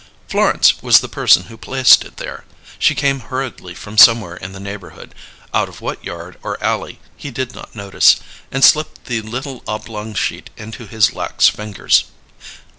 Florence was the person who placed it there; she came hurriedly from somewhere in the neighbourhood, out of what yard or alley he did not notice, and slipped the little oblong sheet into his lax fingers.